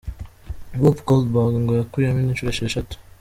Whoopi Goldberg ngo yakuyemo inda inshuro esheshatu.